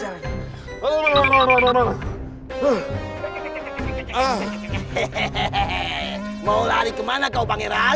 hehehe mau lari kemana kau pangeran